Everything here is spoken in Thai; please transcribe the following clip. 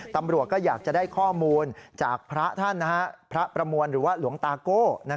ตำรวจก็อยากจะได้ข้อมูลจากพระท่านพระประมวลหรือว่าหลวงตาโก้